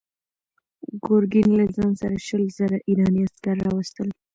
ګورګین له ځان سره شل زره ایراني عسکر راوستل.